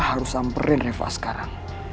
harus samperin reva sekarang